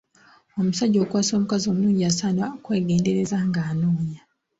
Omusajja okuwasa omukazi omulungi asaana kwegendereza ng'anoonya.